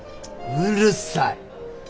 うるさい。